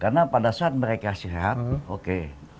karena pada saat mereka sihat oke